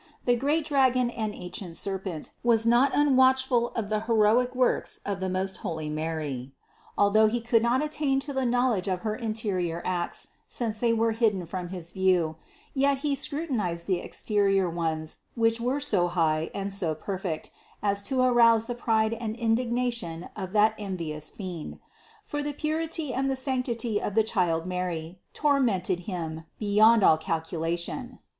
The great dragon and ancient serpent was not unwatchful of the heroic works of the most holy Mary: although he could not attain to the knowledge of her interior acts, since they were hidden from his view, yet he scrutinized the exterior ones which were so high and so perfect as to arouse the pride and indignation of that envious fiend ; for the purity and the sanctity of the Child Mary tormented him beyond all calculation.